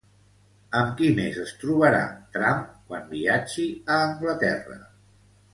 Amb qui més es trobarà, Trump, quan viatgi a Anglaterra?